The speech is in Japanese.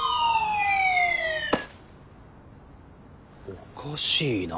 おかしいな。